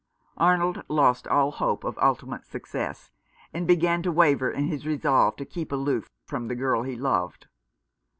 Arnold lost all hope of ultimate success, and began to waver in his resolve to keep aloof from the girl he loved.